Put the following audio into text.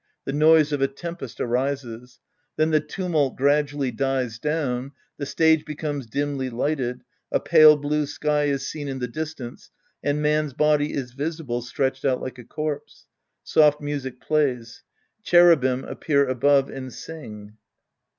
The noise of a tempest arises. T/ten the tumult gradually dies down, the stage becomes dimly lighted, a pale blue sky is seen in the distance, and Man's body is visible stretched out like a corpse. Soft miisic plays. Cherubim appear above and sing.)